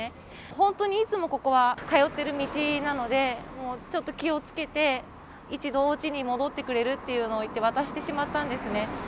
本当にいつもここは通ってる道なので、ちょっと気をつけて、一度おうちに戻ってくれる？っていうのを言って渡してしまったんですね。